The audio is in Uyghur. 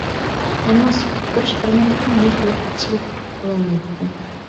ئەمما، سۈكۈتتە تۇرۇش بىر مىللەتنىڭ يوق بولۇپ كېتىشىگە تۈرتكە بولالايدىكەن.